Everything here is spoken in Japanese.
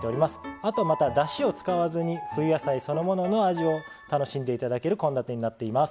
あとまただしを使わずに冬野菜そのものの味を楽しんで頂ける献立になっています。